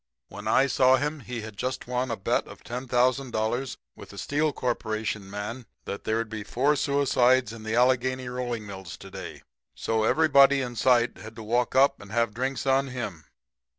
"'When I saw him he'd just won a bet of $10,000 with a Steel Corporation man that there'd be four suicides in the Allegheny rolling mills to day. So everybody in sight had to walk up and have drinks on him.